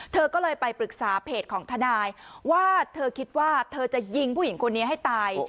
เธอก็เลยไปปรึกษาเพจของทนายว่าเธอคิดว่าเธอจะยิงผู้หญิงคนนี้ให้ตาย